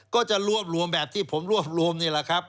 ก็จะรวบรวมแบบที่ผมรวบรวมนี่แหละครับ